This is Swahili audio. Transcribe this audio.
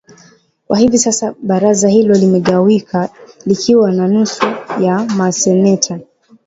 Kwa hivi sasa baraza hilo limegawika likiwa na nusu ya maseneta